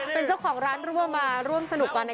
ปล่อยปล่อยปล่อยปล่อย